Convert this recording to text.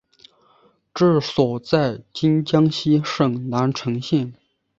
治所在今江西省南城县。